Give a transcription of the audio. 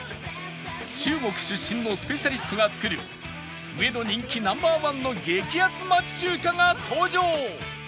中国出身のスペシャリストが作る上野人気 Ｎｏ．１ の激安町中華が登場！